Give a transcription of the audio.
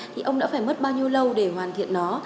thì ông đã phải mất bao nhiêu lâu để hoàn thiện nó